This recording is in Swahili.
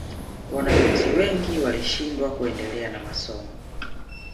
wanafunzi wengi walishindwa kuendelea na masomo